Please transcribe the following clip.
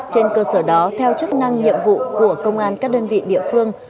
trên cơ sở đó theo chức năng nhiệm vụ của công an các đơn vị địa phương